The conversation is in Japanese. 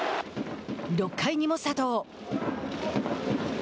６回にも佐藤。